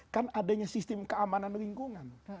kan adanya sistem keamanan lingkungan